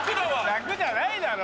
楽じゃないだろ。